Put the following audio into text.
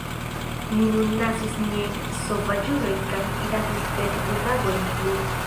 Ni nun lasis niajn sovaĝulojn kaj iradis dekdu tagojn plu.